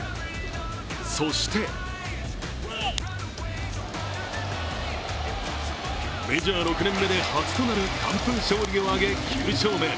そしてメジャー６年目で初となる完封勝利を挙げ９勝目。